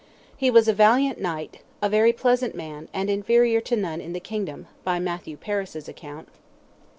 "He was a valiant Knight, a very pleasant man, and inferior to none in the kingdom," by Matthew Paris's account.